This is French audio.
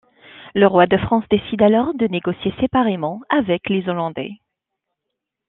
Le roi de France décide alors de négocier séparément avec les Hollandais.